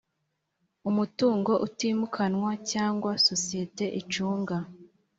umutungo utimukanwa cyangwa sosiyete icunga